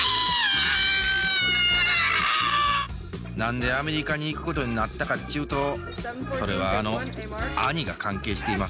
何でアメリカに行くことになったかっちゅうとそれはあの兄が関係しています。